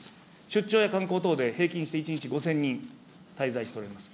出張や観光等で、平均で１日５０００人滞在しております。